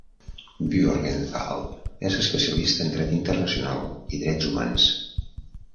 Buergenthal és especialista en dret internacional i drets humans.